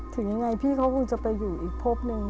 ถึงอย่างไรพี่เขาก็จะไปอยู่อีกพบหนึ่ง